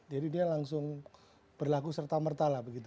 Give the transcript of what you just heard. jadi dia langsung berlaku serta merta lah begitu